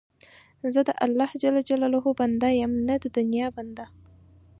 زه د الله جل جلاله بنده یم، نه د دنیا بنده.